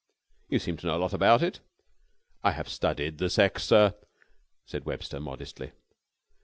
"You seem to know a lot about it!" "I have studied the sex, sir," said Webster modestly.